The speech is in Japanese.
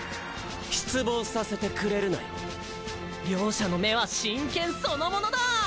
失望させてくれるなよ両者の目は真剣そのものだ！